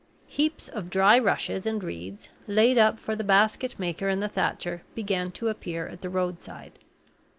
Heaps of dry rushes and reeds, laid up for the basket maker and the thatcher, began to appear at the road side.